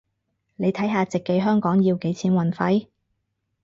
你睇下直寄香港要幾錢運費